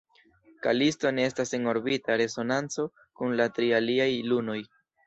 Kalisto ne estas en orbita resonanco kun la tri aliaj lunoj.